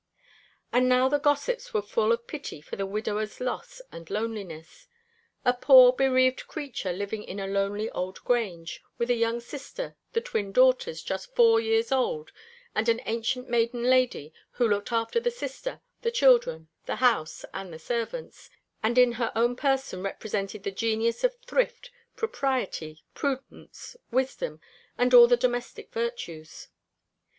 And now the gossips were all full of pity for the widower's loss and loneliness a poor bereaved creature living in a lonely old Grange, with a young sister, the twin daughters, just four years old, and an ancient maiden lady who looked after the sister, the children, the house, and the servants, and in her own person represented the genius of thrift, propriety, prudence, wisdom, and all the domestic virtues.